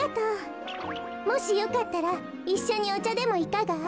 もしよかったらいっしょにおちゃでもいかが？